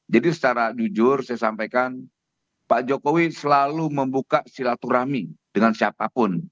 jadi secara jujur saya sampaikan pak jokowi selalu membuka silaturahmi dengan siapapun